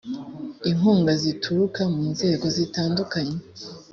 inkunga zituruka mu nzego zitandukanye